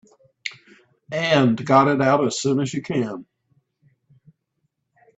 And got it out as soon as you can.